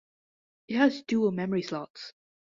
It has dual memory slots.